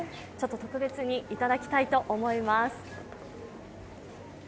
特別にいただきたいと思います。